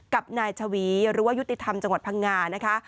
กับนายชวีหรือว่ายุติธรรมจังหวัดพังงานะคะ